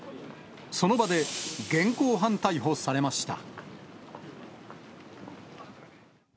その場で現行犯逮捕されました。